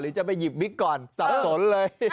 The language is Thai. หรือจะไปหยิบวิกก่อนสาสนเลย